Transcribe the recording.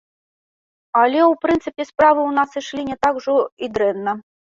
Але, у прынцыпе, справы ў нас ішлі не так ужо і дрэнна.